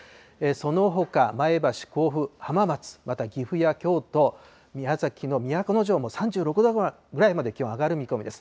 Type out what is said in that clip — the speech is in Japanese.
そのほか、前橋、甲府、浜松、また、岐阜や京都、宮崎の都城も３６度ぐらいまで気温上がる見込みです。